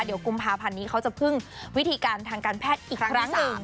เดี๋ยวกุมภาพันธ์นี้เขาจะพึ่งวิธีการทางการแพทย์อีกครั้งหนึ่ง